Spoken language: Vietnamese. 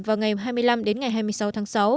vào ngày hai mươi năm đến ngày hai mươi sáu tháng sáu